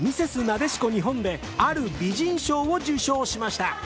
なでしこ日本である美人賞を受賞しました